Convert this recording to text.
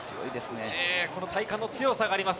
この体幹の強さがあります。